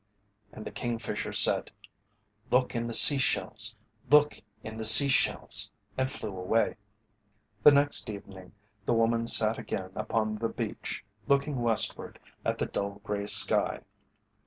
And the Kingfisher said, "Look in the sea shells; look in the sea shells," and flew away. The next evening the woman sat again upon the beach looking westward at the dull grey sky.